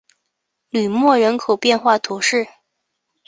吕莫人口变化图示